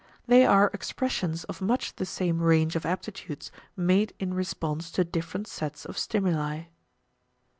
They are expressions of much the same range of aptitudes, made in response to different sets of stimuli.